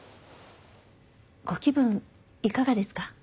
ご気分いかがですか？